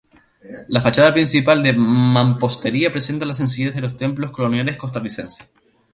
La fachada principal, de mampostería, presenta la sencillez de los templos coloniales costarricenses.